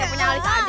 gak punya alisnya aja